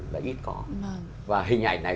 là ít có và hình ảnh này